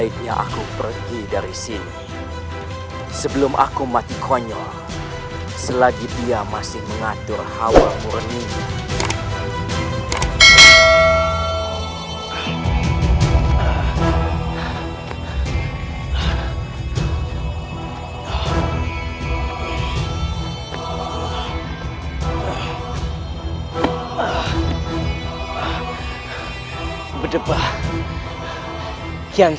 untuk berhasil berjaya mendukungmu ingin meminta perhatian